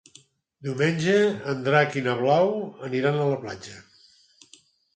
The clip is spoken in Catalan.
Diumenge en Drac i na Blau aniran a la platja.